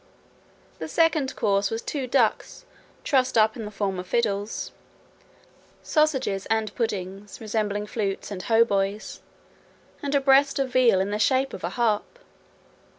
The second course was two ducks trussed up in the form of fiddles; sausages and puddings resembling flutes and hautboys, and a breast of veal in the shape of a harp.